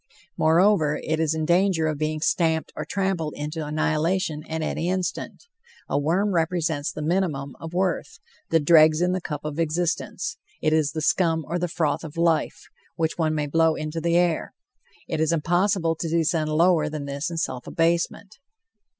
Moreover, it is in danger of being stamped or trampled into annihilation at any instant. A worm represents the minimum of worth, the dregs in the cup of existence; it is the scum or the froth of life, which one may blow into the air. It is impossible to descend lower than this in self abasement.